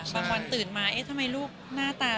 ตอนตื่นมาเอ๊ะทำไมลูกหน้าตา